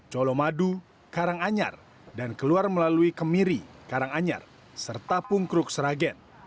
colomadu karanganyar dan keluar melalui kemiri karanganyar serta pungkruk seragen